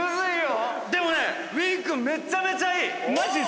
でもねウィン君めちゃめちゃいい！